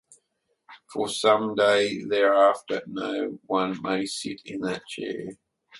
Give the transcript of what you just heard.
For some day thereafter no one may sit in that chair.